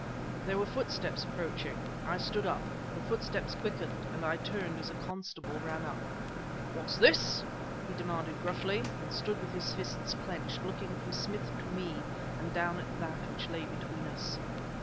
There were footsteps approaching. I stood up. The footsteps quickened; and I turned as a constable ran up. "What's this?" he demanded gruffly, and stood with his fists clenched, looking from Smith to me and down at that which lay between us.